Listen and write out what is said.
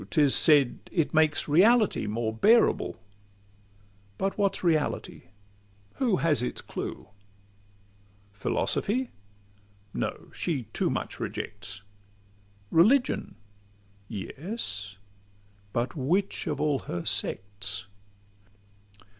'Tis said it makes reality more bearable: But what 's reality? Who has its clue? Philosophy? No: she too much rejects. Religion? Yes; but which of all her sects?